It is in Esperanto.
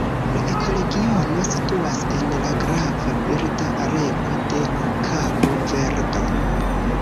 La ekoregiono situas en la grava birda areo de Kabo-Verdo.